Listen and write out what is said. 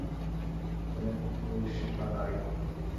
তুমি এখন পুরুষ বা নারী।